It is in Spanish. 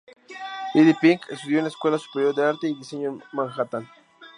Lady Pink estudió en la Escuela Superior de Arte y Diseño en Manhattan.